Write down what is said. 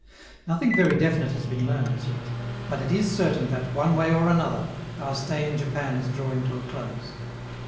Nothing very definite has been learned as yet, but it is certain that, one way or another, our stay in Japan is drawing to a close.